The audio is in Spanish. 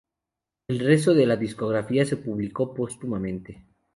El resto de la discografía se publicó póstumamente.